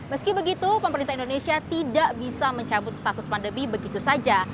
meski begitu pemerintah indonesia tidak bisa mencabut status pandemi begitu saja